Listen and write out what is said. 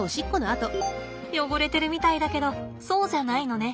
汚れてるみたいだけどそうじゃないのね。